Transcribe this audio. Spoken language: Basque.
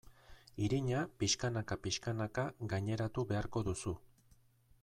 Irina pixkanaka-pixkanaka gaineratu beharko duzu.